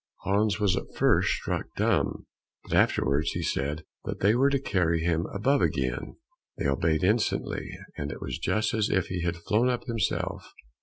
Hans was at first struck dumb, but afterwards he said that they were to carry him above again. They obeyed instantly, and it was just as if he had flown up himself.